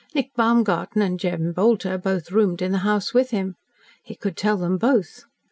Nick Baumgarten and Jem Bolter both "roomed" in the house with him. He could tell them both.